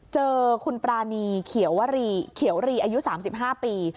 เจอคุณปรานีเขียวรีอายุ๓๕ปี